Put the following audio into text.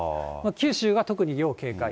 九州が特に要警戒。